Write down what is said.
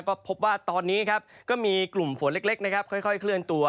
ก็พบว่าตอนนี้ครับก็มีกลุ่มฝนเล็กนะครับค่อยเคลื่อนตัว